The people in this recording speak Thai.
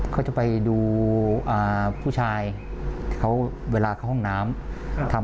เขาจะไปดูผู้ชายเขาเวลาเข้าห้องน้ำทำ